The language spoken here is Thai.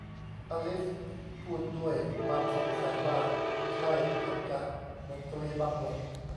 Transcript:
อลิซพูดด้วยความสงสัยว่า ใช่ เกือบจะ บทกวีบางบท